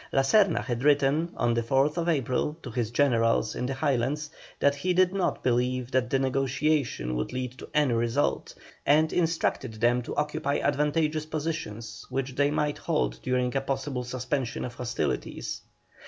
La Serna had written, on the 7th April, to his generals in the Highlands, that he did not believe that the negotiation would lead to any result, and instructed them to occupy advantageous positions which they might hold during a possible suspension of hostilities.